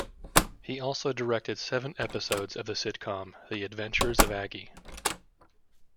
He also directed seven episodes of the sitcom "The Adventures of Aggie".